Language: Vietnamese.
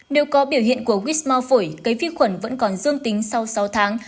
nếu có biểu hiện của quýt mò phổi cây vi khuẩn vẫn còn dương tính sau sáu tháng